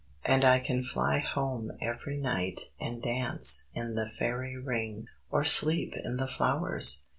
And I can fly home every night and dance in the Fairy Ring, or sleep in the flowers!"